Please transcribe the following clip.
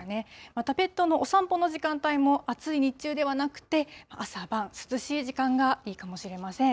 またペットのお散歩の時間帯も暑い日中ではなくて、朝晩、涼しい時間がいいかもしれません。